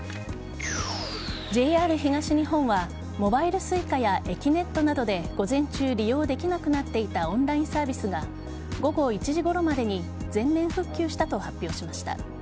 ＪＲ東日本はモバイルＳｕｉｃａやえきねっとなどで午前中、利用できなくなっていたオンラインサービスが午後１時ごろまでに全面復旧したと発表しました。